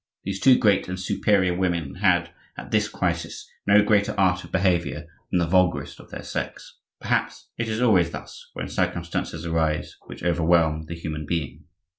These two great and superior women had, at this crisis, no greater art of behavior than the vulgarest of their sex. Perhaps it is always thus when circumstances arise which overwhelm the human being.